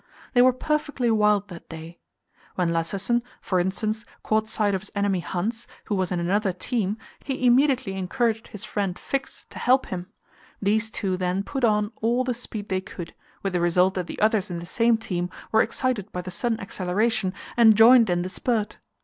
They were perfectly wild that day. When Lassesen, for instance, caught sight of his enemy Hans, who was in another team, he immediately encouraged his friend Fix to help him. These two then put on all the speed they could, with the result that the others in the same team were excited by the sudden acceleration, and joined in the spurt.